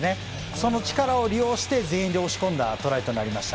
その力を利用して全員で押し込んだトライでした。